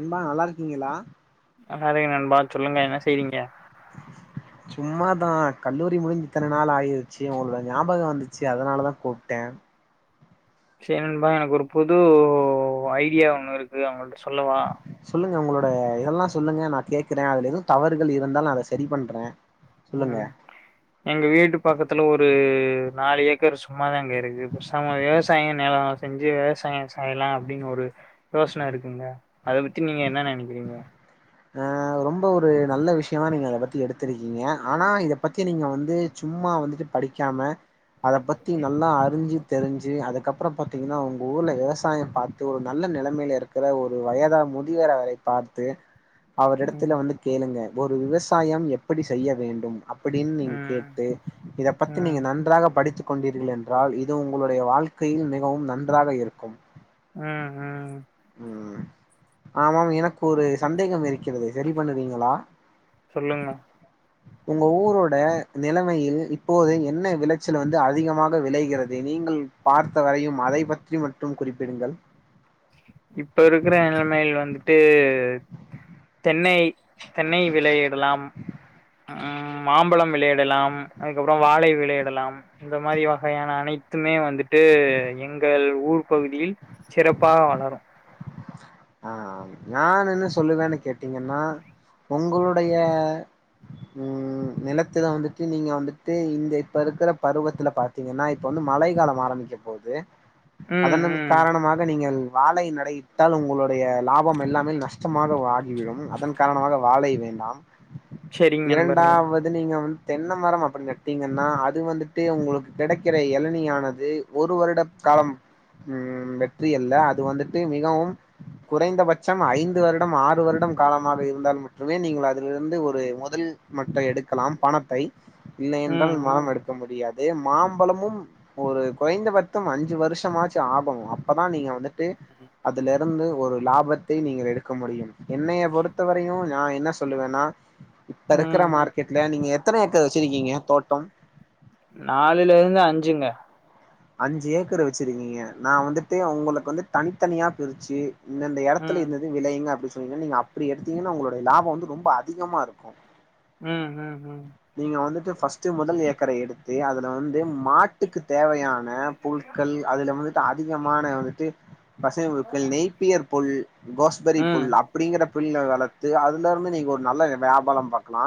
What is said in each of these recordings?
அம்மா நல்லாருக்கீங்களா ஹா அதே நண்பா சொல்லுங்க என்ன செய்றீங்க சும்மாதா கல்லூரி முடிஞ்ச் இத்தன நாள் ஆயிர்ச்சி உல்லுட ஞாபக வந்துச்சி அதுனால தா கூப்ட்டே சே நண்பா எனக்கு ஒரு புது ஐடியா ஒண்ணு இருக்கு அவுங்கள்ட்ட சொல்லவா சொல்லுங்க உங்களோட இஎல்லா சொல்லுங்க நா கேக்குறே அதுல எது தவறுகள் இருந்தால் அத சரி பண்றே உஅ எங்க வீட்டு பக்கத்துல ஒரு நால் ஏக்கர் சும்மாதாங்க இருக்கு பேசம விவசாயு நெலோ செஞ்சு விவசாயோ செய்லா அப்டின்னு ஒரு யோசன இருக்குங்க அத பத்தி நீங்க என்ன நெனக்கிறீங்க ஆ ரொம்ப ஒரு நல்ல விஷயமா நீங்க அத பத்தி எடுத்துருகிங்க ங்க ஆனா இத பத்தி நீங்க வந்து சும்மா வந்துட்டு படிக்காம அத பத்தி நல்லா அறிஞ்சி தெரிஞ்சி அதுக்கப்றோ பாத்தீங்கன்னா உங்க ஊர்ல விவசாய பாத் ஒரு நல்ல நெலமைல இருக்குற ஒரு வயதா முதியரா அரை பாத்து அவர் ம் எடத்துல வந்து கேளுங்க ஒரு விவசாயம் எப்படி செய்ய வேண்டும் அப்னுடி நீங்க ம் கேட்டு இத பத்தி நீங்க ம் நன்றாக படித்து கொண்டீர்கள் என்றால் இது உங்களுடைய வாழ்க்கையில் மிகவு நன்றாக இருக்கு உ உ உ ஆமாம் எனக்கு ஒரு சந்தேகம் இரு கிறது சரி பண்ணுவீங்களா சொல்லுங்க உங்க ஊரோட நெலமையில் இப்போது என்ன விளச்சல் வந்து அதிகமாக விளைகிறது நீங்கள் பார்த்தவரையும் அதை பற்றி மட்டும் குறிப்பிடுங்கள் இப்ப இருக்குற நெலமையில் வந்துட்டு தென்னை தென்னை விளையிடலாம் ம் மாம்பழம் விளையிடலாம் அதுக்கப்றோ வாழை விளையிடலாம் இந்த மாதிரி வகையான அனைத்துமே வந்துட்டு எங்கள் ஊர் பகுதியில் சிறப்பாக வளரும் ஆ நான் என்ன சொல்லுவேன்னு கேட்டீங்கன்னா உங்களுடைய ம் நிலத்துல வந்துட்டு நீங்க வந்துட்டு இந்த இப்ப இருக்கிற பருவத்துல பாத் பாத்தீங்கன்னா இப்ப வந்து மழை காலம் ஆரம்பிக்க போகுது ம் அதனன் ம் காரணமாக நீங்கள் வாழை நடை விட்டால் உங்களுடைய லாபம் எல்லாமே நஷ்டமாக வாடிவிடும் அதன் காரணமாக வாழை வேண்டாம் செரிங்க நண்பர்களே இரண்டாவது நீங்க வந்து தென்ன மரம் அப்படி நட்டீங்கன்னா அது வந்துட்டு உங்களுக்கு கிடைக்கிற எளனியானது ஒரு வருட காலம் வெற்றி அல்ல அது வந்துட்டு மிகவும் குறைந்தபட்சம் ஐந்து வருடம் ஆறு வருடம் காலமாக இருந்தால் மட்டுமே நீங்கள் அதிலிருந்து ஒரு முதல் மட்டம் எடுக்கலாம் பணத்தை இல்லை என்றால் ம் மரம் ம் எடுக்க முடியாது மாம்பழமும் ஒரு குறைந்தபத்தம் அஞ்சு வருஷமாச்சு ஆபும் அப்பதான் நீங்க வந்துட்டு உ அதலிருந்து ஒரு லாபத்தை நீங்கள் எடுக்க முடியும் என்னைய பொறுத்தவரையும் நான் என்ன சொல்லுவேன்னா இப்ப இருக்கிற ம் மார்க்கெட்ல நீங்க எத்தனை ஏக்கர் வச்சிருக்கீங்க தோட்டம் நாலைலருந்து அஞ்சுங்க அஞ்சு ஏக்கர் வச்சிருக்கீங்க நா வந்துட்டு ஒங்களுக்கு வந்து தன்த்தனியா பிரிச்சு இந்தெந்த எடத்துல ம் இந்தது விளயுங்க அப்டின் சொன்னீங்கன்னா நீங்க அப்டி எடுத்தீங்கன்னா ஒங்களுடைய லாபோ வந்து ரொம்ப அதிகமாருக்கு ம் ம் ம் நீங்க வந்துட்டு ஃபஸ்ட்டு மொதல் ஏக்கர எடுத்து அதுல வந்து மாட்டுக்கு தேவயா ன புல்கள் அதுல வந்துட்டு அதிகமான வந்துட்டு பசமை புல்கள் நெய்ப்பியர் புல் கோஸ்பெரி ம் புல்லா ப்டிங்ற பில்ல வளத்து அதுலருந்து நீங்க ஒரு நல்ல வியாபாரோ பாக்லா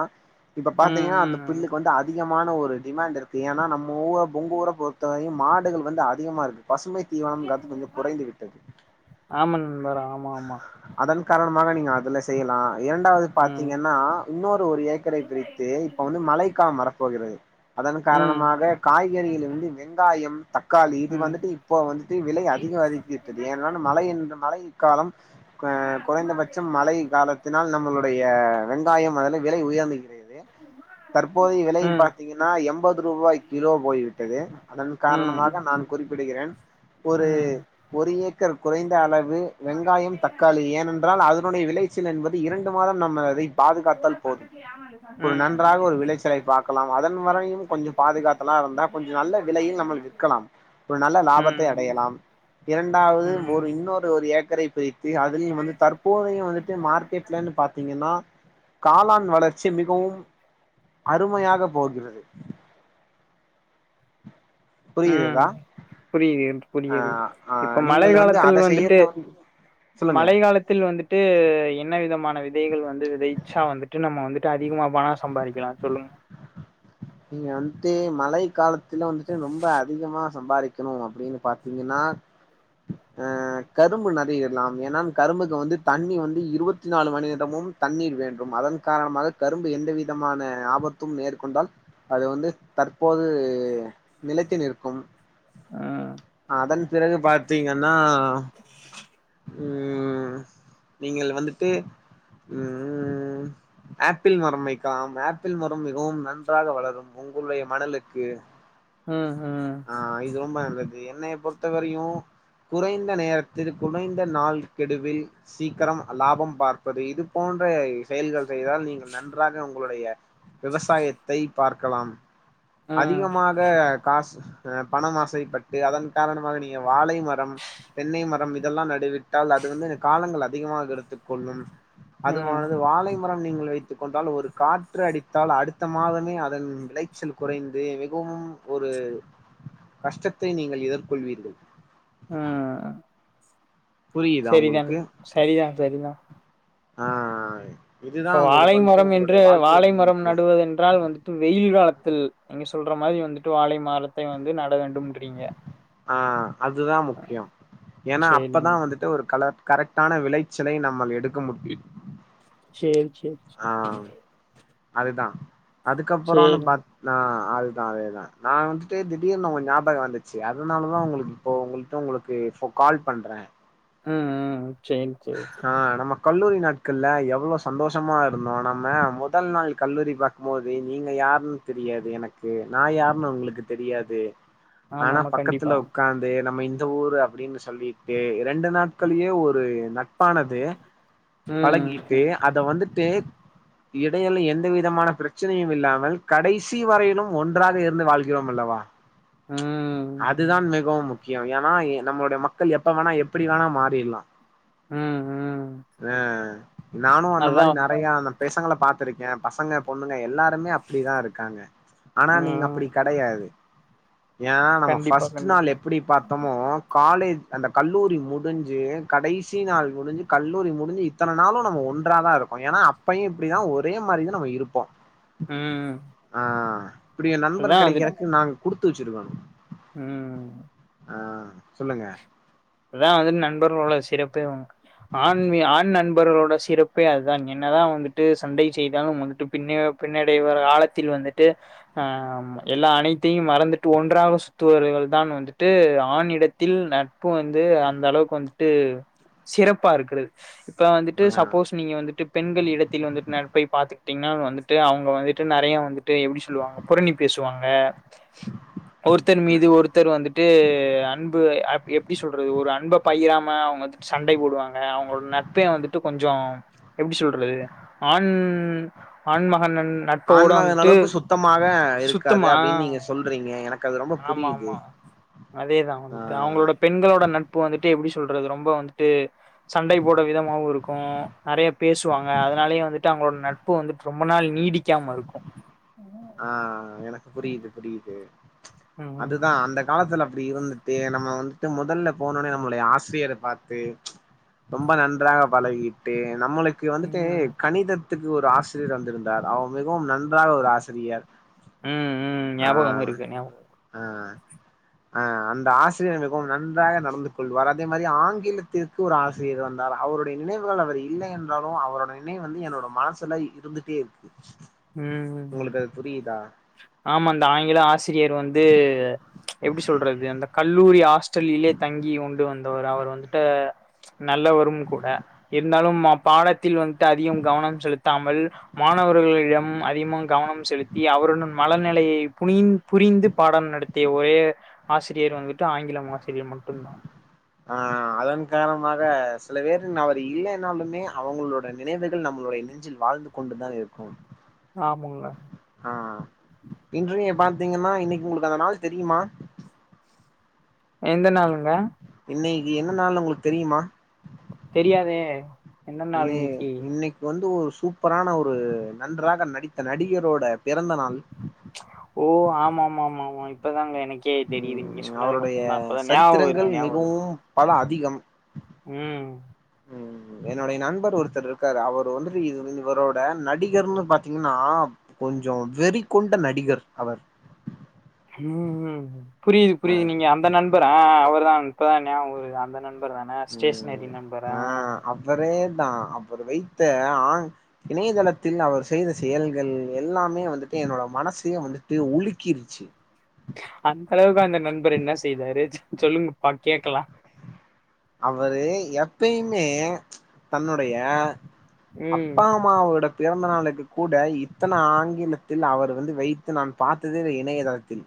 இப்ப ம் பாத்தீங்கன்னா அந்த ம் ம் பில்லுக்கு வந்து அதிகமான ஒரு டிமான்ட்டிருக்கு ஏனா நம்ம ஊ உங்க ஊர பொறுத்தவரையு மாடுகள் வந்து அதிகமாருக்கு பசுமை தீவான காத்து கொஞ்சொ குறைந்து விட்டது ஆமா நண்பர் ஆமா ஆமா அதன் காரணமாக நீங்க அதுல செய்யலா இரண்டாவது ம் பாத்தீங்கன்னா இன்னொரு ஒரு ஏக்கரை பிரித்து இப்ப வந்து மழைக்கால வர போகிறது அதன் ம் காரணமாக காய்கறிலிருந்து வெங்காயம் தக்காளி இது ம் வந்துட்டு இப்போ வந்துட்டு விலை அதிக அதிக்விட்டது ஏனான மழை என்ற மழை காலம் க குறைந்தபட்சம் மழை காலத்தினால் நம்மளுடைய வெங்காயம் அதுலை விலை உயர்ந்துகிற து தற்போதைய விலை ம் ம் பாத்தீங்கன்னா எண்பது ரூபாய் கிலோ போய்விட்டது அதன் ம் கார்ணமாக நா குறிப்பிடுகிறேன் ஒரு ஒரு ஏக்கர் குறைந்தளவு வெங்காயம் தக்காளி ஏனென்றால் அதனுடைய விளைச்சல் என்பது இரண்டு மாதம் நம்ம அதை பாதுகாத்தால் போதும் ஒரு நன்றாக ஒரு விளைச்சலை பார்க்கலாம் அதன் வரையும் கொஞ்சம் பாதுகாத்தலா இருந்தா கொஞ்ச நல்ல விலையில் நம்ம விற்கலாம் ஒரு நல்ல லாபத்தை ம் அடையலாம் ம் இரண்டாவது ம் ஒரு இன்னொரு ஒரு ஏக்கரை பிரித்து அதுலயும் வந்து தற்போதயு வந்துட்டு மார்க்கெட்லன் பாத்தீங்கன்னா காளான் வளர்ச்சி மிகவும் அருமையாக போகிறது ம் புரியுதா புரிது புரிகிறது ஆஹ் ஆஹ் இப்ப மழை நீங்கள் வந்து காலத்தில் அதை வந்துட்டு செய்யறத வந்து சொல்லுங்க மழை காலத்தில் வந்துட்டு என்ன விதமான விதைகள் வந்து விதைச்சா வந்துட்டு நம்ம வந்துட்டு அதிகமா பணம் சம்பாரிக்லா சொல்லுங்க நீங்க வன்ட்டு மழை காலத்துல வந்துட்டு ரொம்ப அதிகமா சம்பாரிக்கனு அப்டின் பாத்தீங்கன்னா ஆ கரும்பு நறையிட்லாம் ஏனா கரும்புக்கு வந்து தண்ணி வந்து இருவத்தி நாலு மணி நேரமும் தண்ணீர் வேண்டும் அதன் காரணமாக கரும்பு எந்தவிதமான ஆபத்தும் மேற்கொண்டால் அது வந்து தற்போது நிலைத்து நிற்கும் ம் அதன் பிறகு பாத்தீங்கன்னா ம் நீங்கள் வந்துட்டு ம் ஆப்பிள் மரம் வைக்லாம் ஆப்பிள் மரம் மிகவும் நன்றாக வளரும் உங்குள்ளய மணலுக்கு ம் ஹும் ஆ இது ரொம்ப நல்லது என்னய பொறுத்த வரையு குறைந்த நேரத்தில் குறைந்த நாள் கெடுவில் சீக்கிரம் லாபம் பார்ப்பது இது போன்ற செயல்கள் செய்தால் நீங்கள் நன்றாக உங்களுடைய விவசாயத்தை பார்க்கலாம் அதிகமாக காசு அ பணம் ஆசைப்பட்டு அதன் காரணமாக நீங்க வாழை மரம் தென்னை மரம் இதெல்லா நடுவிட்டால் அது வந்து காலங்கள் அதிகமாக எடுத்து கொள்ளும் ம் ம் அதுவானது வாழை மரம் நீங்கள் வைத்துக் கொண்டால் ஒரு காற்று அடித்தால் அடுத்த மாதமே அதன் விளைச்சல் குறைந்து மிகவும் ஒரு கஷ்டத்தை நீங்கள் எதர்கொள்வீர்கள் ஆ புரியுதா செரிதான் உங்களுக்கு சரிதா சரிதா ஆ ஆ இப்ப வாழை மரம் என்று வாழைமரம் முக்கியோ நடுவதென்றால் வந்து டு வெயில் காலத்தில் நீங்க சொல்ற மாரி வந்துட்டு வாழை மரத்தை வந்து நட வேண்டும்ன்றீங்க ஆ அதுதா முக்கியம் ஏனா சேரிங்க அப்பதா வந்துட்டு ஒரு கலர் கரெக்டான விளைச்சலை நம்மள் எடுக்க முடியு சேர் சேர் ஆ அதுதா அதுக்கப்பறோனு சேரிங் பாத் ஆ அதுதா அதேதா நா வந்துட்டு திடீர்னு ஒங்க ஞாபக வந்துச்சு அதுனாலதா ஒங்களுக்கு இப்போ ஒங்கள்ட்ட ஒங்களுக்கு ஃபோ கால் பண்றே ம் ம் சேர் சேர் ஆ நம்ம கல்லூரி நாட்கள்ல எவ்வளோ சந்தோஷமா இருந்தோ நம்ம மொதல் நாள் கல்லூரி பா க்கு போது நீங்க யாருன் தெரியாது எனக்கு நா யாருன்னு ஒங்களுக்கு தெரியாது ஆமா ஆனா ஆமா பக்கத்துல கண்டிப்பா உக்காந்து நம்ம இந்த ஊரு அப்டின்னு சொல்லிட்டு இரண்டு நாட்கள்யே ஒரு நட்பான து ம் பழகிட்டு அத வந்துட்டு எடையில எந்த விதமான பிரச்சனையு இல்லாமல் கடைசி வரையிலும் ஒன்றாக இருந்து வாழ் கிறோம் அல்லவா ம் அதுதான் மிகவும் முக் கியோ ஏனா எ நம்மளுடைய மக்கள் எப்ப வேணா எப்பிடி வேணா மாறிற்லா ம் ம் அ நானு அந்த அதா மாரி ந நெறையான பெசங்கள பாத்துருக்கே பசங்க பொண்ணுங்க எல்லா ருமே அப்டிதா இருக்காங்க ஆனா நீங்க ம் அப்பிடி கெடையாது ஏனா நம்ம கண்டிப்பா ஃபஸ்ட்டு நாளு கண்டிப்பா எப்டி பாத்தமோ காலேஜ் அந்த கல்லூரி முடுஞ்சு கடை சி நாள் முடுஞ்சு கல்லூரி முடுஞ்சு இத்தன நாளு நம்ம ஒன்றா தா இருக்கோ ஏனா அப்பயு இப்டிதா ஒரே மாரி தா நம்ம இருப்போ கேட்கவில்லை ம் ம் ஆ இப்டி என் நண்பன் அதா வந்துட் கெடைக்கறக்கு நான் குடுத்து வச்சுருக்கனு ம் ம் ஆ சொல்லுங்க அதா வந்து நண்பர்களோட சிறப்பேவு ஆண் வி ஆண் நண்பர்களோட சிறப்பே அதுதான் என்னதா வந்துட்டு சண்டை செய்தாலும் வந்துட்டு பின்னே பின்னடை ஒரு காலத்தில் வந்துட்டு ஆ எல்லா அனைத்தையு மறந்துட்டு ஒன்றாக சுத்துவர்கள் தான் வந்துட்டு ஆண் இடத்தில் ந நட்பு வந்து அந்த அளவுக்கு வந்துட்டு சிறப்பா இருக்கறது இப்ப வந்துட்டு ஆ சப்போஸ் நீங்க வந்துட்டு பெண்கள் இடத்தில் வந்துட்டு நட்பை பாத்துகிட்டீங்னா வந்துட்டு அவுங்க வந்துட்டு நெறைய வந்துட்டு எப்டி சொல்லுவாங்க புறணி பேசுவாங்க [inaudible] ஒருத்தர் மீது ஒருத்தர் வந்துட்டு அன்பு அ எப் எப்டி சொல்றது ஒரு அன்ப பகிராம அவுங்க வந்துட்டு சண்டை போடுவாங்க அவுங்களோட நட்பே வந்துட்டு கொஞ்சோ எப்டி சொல்றது ஆண் ஆண் மகானன் நட் ஆண் மகனளவுக்கு சுத்தமாவே இருக்காது சுத்தமா அப்டின்னு நீங்க சொல்றீங்க எனக் ஆமா ஆமா அதேதா ஆ வந்த்ட்டு அவுங்களோடப் பெண்களோட நட்பு வந்துட்டு எப்டி சொல்றது ரொம்ப வந்துட்டு சண்டை போட விதமாவு இருக்கு நெறையப் பேசுவாங்க அதனாலயே வந்துட்டு அவுங்கோளட நட் ப்போ வந்துட் ரொம்ப நாள் நீடிக்காம இருக்கு ஆ எனக் புரிது புரிது ம் அதுதா அந்தக் காலத்துல அப்டி இருந்துட்டு நம்ம வந்துட்டு மொதல்ல போனோனே நம்மளுய ஆசிரியரப் பாத்து ரொம்ப நன்றாக பலகிட்டு நம்மளுக் க்கு ம் வந்துட்டு ம் கணிதத்துக்கு ஒரு ஆசிரியர் வந்துருந்தார் அவ மிகவும் நன்றாக ஒரு ஆசிரியர் ம் ம் நியாபகம் இருக்கு நியாப் அ அ அந்த ஆசிரியர் மிகவும் நன்றாக நடந்துக் கொள்வார் அதே மாரி ஆங்கிலத்திற்கு ஒரு ஆசிரியர் வந் தார் அவுருடை நினைவுகள் அவர் இல்ல என்றாலு அவரோட நினைவு வந்து என்னோட மனசுல இருந்துட்டே இருக்கு ம் உங்குளுக்கு அது புரிதா ஆமா இந்த ஆங்கில ஆசிரியர் வந்து எப்டி சொல்றது அந்த கல்லூரி ஹாஸ்டல்லிலே தங்கி வுண்டு வந்தவர் அவர் வந்துட்டே நல்லவரும் கூட இருந்தாலும் அப் பாடத்தில் வந்த்ட்டு அதிகம் கவனம் செலுத்தாமல் மாணவருகளிடம் ம் அதிகமாவுன் கவனம் செலுத்தி அவருடன் மலநிலையை புனின் புரிந்துப் பாடம் நடத்திய ஒரே ஆசிரியர் வந்துட்டு ஆங்கிலம் ஆசிரியர் மட்டுந்தா ஆ அதன் காரண்மாக சில பேரு நா அவரு இல்லனாலுமே அவுங்ளோட நினைவுகள் நம்ளுடைய நெஞ்சில் வாழ்ந்து கொண்டுதா இருக்கும் ஆமுங்கள ஆ இன்றே பாத்தீங்கன்னா இன்னிக்கு உங்ளுக்கு அந்த நாள் தெரியுமா எந்த நாளுங்க இன்னைக்கி என்ன நாள்னு வுங்ளுக்கு தெரியுமா தெரியாதே என்ன நாள் இன்னிக்கி இது வந்து ஒரு சூப்பரான ஒரு நன்றாக நடித்த நடிகரோட பிறந்த நாள் ஓ ஆமாமாமாமா இப்பதாங்க எனக் கே தெரிது நீங்க ம் சொன்னதுக்கு அவருடைய அப்பந்தா இப்பதா நியாபகோ சரித்திரங்கள் வருது நியாப வருது மிகவும் பல அதிகம் ம் ம் என்னுடைய நண்பர் ஒருத்தர்ருக்காரு அவரு வந்துட்டு இதுவ் இவரோட நடிகர்னு பாத்தீங்கன்னா கொஞ்சோ வெறி கொண்ட நடிகர் அவர் ம் புரிது ஆ புரிது நீங்க அந்த நண்பரா ஆ அவருதான் இப்பதான் நியாபவருது அந்த நண் பர்தான ஸ்டேஷ்னரி நண்பரா அவரேதா அப்றோ வைத்த ஆ இணையதளத்தில் அவர் செய்த செயல்கள் எல்லாமே வந்துட்டு என்னோட மனசியே வந்துட்டு வுலுக்கிருச்சி அந்தளவுக்கு அந்த நண்பர் என்ன செய்தாரு சொல்லுங்கப்பா கேக்கலா அவரு எப்பயுமே தன்னுடைய ம் அப்பா அம்மாவோடக் பிறந்த நாளுக்கு கூட இத்தன ஆங்கிலத்தில் அவர் வந்து வைத்து நான் பார்த்ததேல இணையதளத்தில்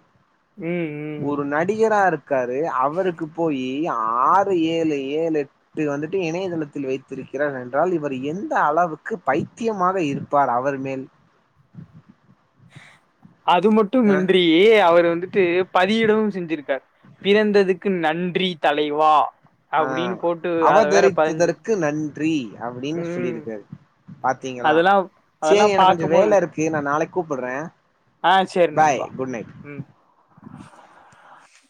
ம் ம் ஒரு நடிகரா இருக்காரு அவருக்குப் போயி ஆறு ஏழு ஏழுட் இப்டி வந்துட்டு இணையதளத்தில் வெய்த்திருக்கிறார் என்றால் இவர் எந்த அளவுக்கு பைத்தியமாக இருப் பார் அவர் மேல் அது அ மட்டுமின்றி அவர் வந்துட்டு பதிவிடமும் செஞ்சிருக்கார் பிறந்ததுக்கு நன்றி தலைவா அ அப்டின்னு போட்டு அத வேற பதிஞ்சிரு அவதரித்ததற்கு நன்றி அப்டீன்னு ம் சொல்லியிருக்காரு பாத்தீங்களா அதெல்லா அதெல்லா செரி எனக்கு கொஞ்சோ பாக்கும்போது வேல இருக்கு நா நாளைக்கு கூப்புடுறே ஆ செரி பாய் நண்பா குட் நைட் ம்